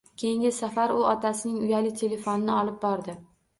Keyingi safar u otasining uyali telefonini olib bordi.